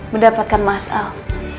mendapatkan mas al